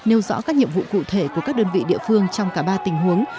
nêu rõ các nhiệm vụ cụ thể của các đơn vị địa phương trong cả ba tình huống